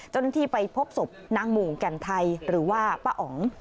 เจ้าหน้าที่ไปพบศพนางหมู่แก่นไทยหรือว่าป้าอ๋อง